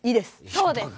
そうです。